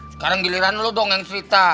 sekarang giliran lo dong yang cerita